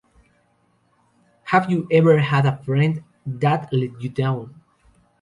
Have you ever had a friend that let you down?